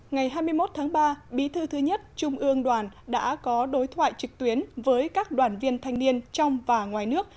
ngày hai mươi một tháng ba bí thư thứ nhất trung ương đoàn đã có đối thoại trực tuyến với các đoàn viên thanh niên trong và ngoài nước